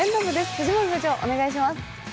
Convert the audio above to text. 藤森部長お願いします。